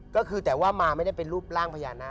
ก็คือแต่ว่ามาไม่ได้เป็นรูปร่างพญานาค